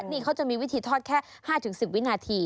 นี่เขาจะมีวิธีทอดแค่๕๑๐วินาที